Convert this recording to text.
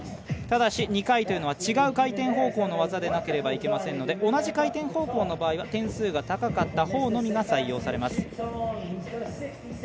ただし、２回というのは違う回転方法の技でなければいけませんので同じ回転方向の場合は点数が高かったほうのみが採用されます。